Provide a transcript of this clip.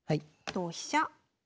同飛車。